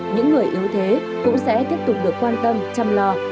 những người yếu thế cũng sẽ tiếp tục được quan tâm chăm lo